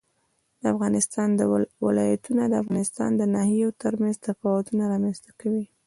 د افغانستان ولايتونه د افغانستان د ناحیو ترمنځ تفاوتونه رامنځ ته کوي.